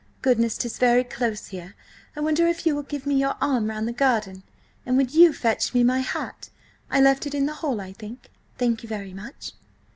Goodness! 'tis very close here. I wonder if you will give me your arm round the garden? And would you fetch me my hat? I left it in the hall, I think. Thank you very much!"